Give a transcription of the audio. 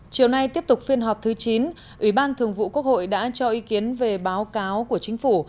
chiều nay tiếp tục phiên họp thứ chín ủy ban thường vụ quốc hội đã cho ý kiến về báo cáo của chính phủ